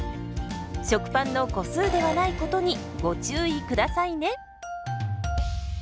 食パンの個数ではないことにご注意下さいね。